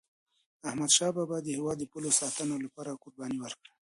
احمدشاه بابا د هیواد د پولو د ساتني لپاره قرباني ورکړه.